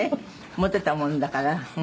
モテたものだから」